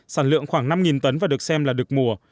sản lượng khoảng năm tấn và được xem là đực mùa